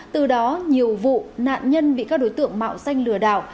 từ đó nhiều vụ nạn nhân bị các đối tượng mạo danh lừa đảo